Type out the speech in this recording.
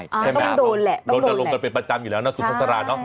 ต้องโดนแหละต้องโดนแหละใช่ไหมครับโดนกระโลงกันเป็นประจำอยู่แล้วนะสุทธัสราเนอะ